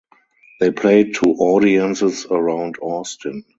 They played to audiences around Austin.